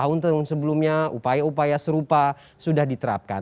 karena di tahun sebelumnya upaya upaya serupa sudah diterapkan